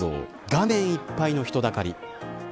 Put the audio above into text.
画面いっぱいの人だかり。